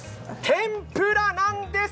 天ぷらなんです！